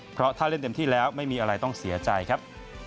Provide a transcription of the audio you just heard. เพราะถ้าเล่นเต็มที่แล้วไม่มีอะไรต้องเสียใจครับ